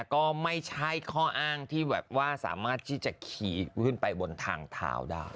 ก็ไม่ใช่ข้ออ้างที่แบบว่าสามารถที่จะขี่ขึ้นไปบนทางเท้าได้